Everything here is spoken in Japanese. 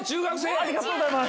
ありがとうございます！